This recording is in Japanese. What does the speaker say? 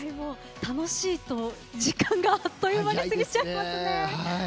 楽しいと時間があっという間に過ぎちゃいますね。